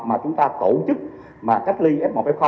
mà chúng ta tổ chức mà cách ly f một f